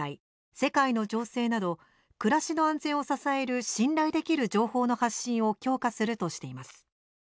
世界の情勢など、暮らしの安全を支える信頼できる情報の発信を強化するとしています。